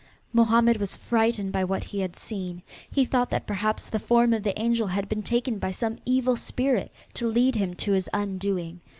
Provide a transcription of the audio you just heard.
Mohammed was frightened by what he had seen; he thought that perhaps the form of the angel had been taken by some evil spirit to lead him on to his undoing.